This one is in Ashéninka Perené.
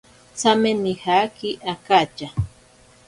Tsame nijaki akatya.